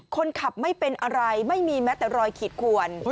คนขับไม่เป็นอะไรไม่มีแม้แต่รอยขีดขวน